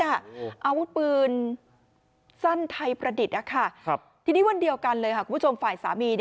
อาวุธปืนสั้นไทยประดิษฐ์ทีนี้วันเดียวกันเลยคุณผู้ชมฝ่ายสามี